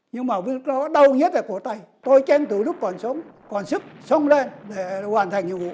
nhưng mà đau nhất là cỏ tay tôi chen tự lúc còn sống còn sức sống lên để hoàn thành nhiệm vụ